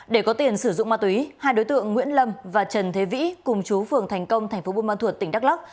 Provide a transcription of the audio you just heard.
để có tiền sử dụng ma túy hai đối tượng nguyễn lâm và trần thế vĩ cùng chú phường thành công tp bun ma thuột tỉnh đắk lóc